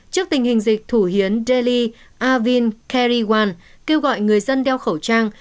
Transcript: trước tình hình dịch thủ hiến delhi avin kerrywan kêu gọi người dân đeo khẩu trang